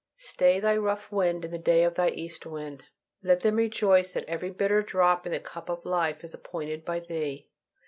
Stay Thy rough wind in the day of Thy east wind. Let them rejoice that every bitter drop in the cup of life is appointed by Thee.